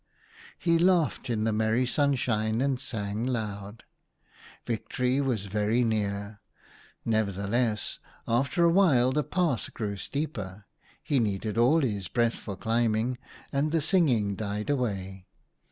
He laughed in the merry sunshine, and sang loud. Victory was very near. Nevertheless, after a while the path grew steeper. He needed all his breath for climbing, and the singing died away.